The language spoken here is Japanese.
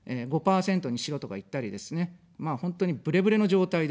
５％にしろとか言ったりですね、まあ、本当に、ブレブレの状態です。